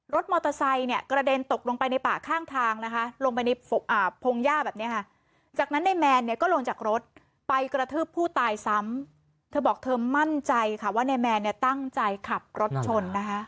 รถมอเตอร์ไซค์เนี่ยกระเด็นตกลงไปในป่าข้างทางนะคะลงไปในพงหญ้าแบบนี้ค่ะจากนั้นในแมนเนี่ยก็ลงจากรถไปกระทืบผู้ตายซ้ำเธอบอกเธอมั่นใจค่ะว่านายแมนเนี่ยตั้งใจขับรถชนนะคะ